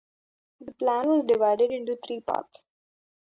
The plan was divided into three parts.